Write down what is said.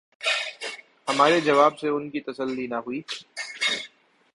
ہمارے جواب سے ان کی تسلی نہ ہوئی۔